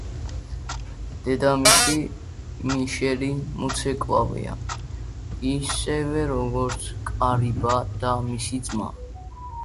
დედამისი, მიშელი, მოცეკვავეა, ისევე როგორც კარიბა და მისი ძმა.